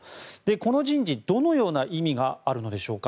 この人事、どのような意味があるのでしょうか。